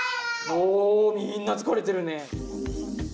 おみんな疲れてるね。